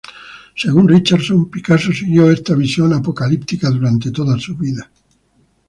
Según Richardson, Picasso siguió esta visión apocalíptica durante toda su vida.